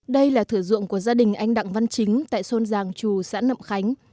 đây là thử dụng của gia đình anh đặng văn chính tại thôn giàng trù xã nậm khánh